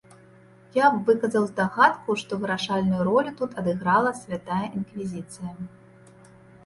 Я б выказаў здагадку, што вырашальную ролю тут адыграла святая інквізіцыя.